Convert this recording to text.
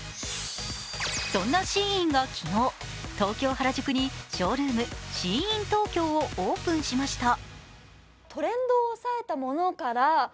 そんなＳＨＥＩＮが昨日、東京・原宿にショールームＳＨＥＩＮＴＯＫＹＯをオープンしました。